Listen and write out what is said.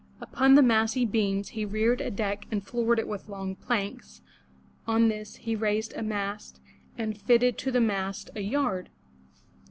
Upon the massy beams he reared a deck and floored it with long planks; on this he raised a mast and fitted to the mast a yard.